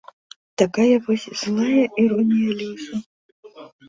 Такая вось злая іронія лёсу.